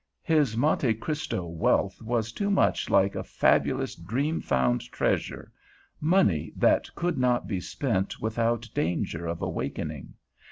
His Monte Cristo wealth was too much like a fabulous, dream found treasure, money that could not be spent without danger of awakening.